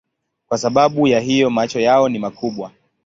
Kwa sababu ya hiyo macho yao ni makubwa.